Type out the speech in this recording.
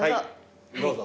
どうぞ。